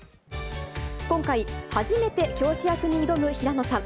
今回、初めて教師役に挑む平野さん。